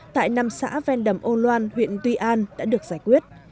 tại năm xã vendam oloan huyện tuy an đã được giải quyết